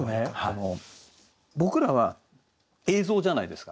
僕らは映像じゃないですか。